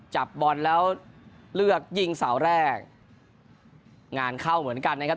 จับบอลแล้วเลือกยิงเสาแรกงานเข้าเหมือนกันนะครับ